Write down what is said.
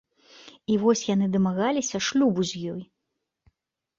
І вось яны дамагаліся шлюбу з ёй.